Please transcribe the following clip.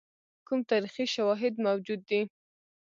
کوم تاریخي شواهد موجود دي.